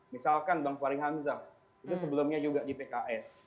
misalkan bang fahri hamzah itu sebelumnya juga di pks